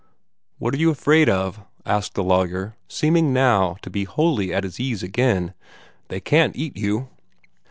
"What are you afraid of?" asked the lawyer, seeming now to be wholly at his ease again "They can't eat you."